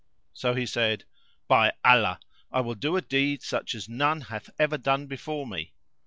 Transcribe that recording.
So he said, "By Allah, I will do a deed such as none hath ever done before me!"